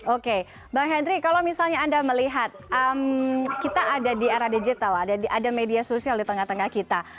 oke bang henry kalau misalnya anda melihat kita ada di era digital ada media sosial di tengah tengah kita